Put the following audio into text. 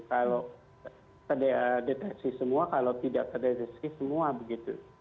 kalau terdeteksi semua kalau tidak terdeteksi semua begitu